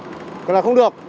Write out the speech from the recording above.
thì là không được